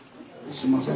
すいません